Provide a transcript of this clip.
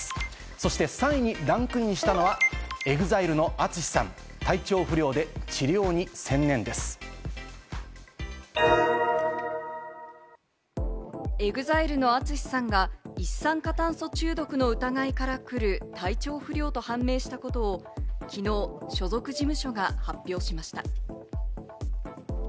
そして３位にランクインしたのはＥＸＩＬＥのＡＴＳＵＳＨＩさん、体調不良で治療にＥＸＩＬＥのＡＴＳＵＳＨＩさんが一酸化炭素中毒の疑いからくる体調不良と判明したことを昨日、所属事務所が発表しました。